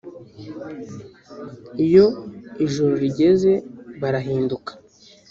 Iyo ijoro rigeze birahinduka